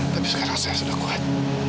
tapi sekarang saya sudah kuat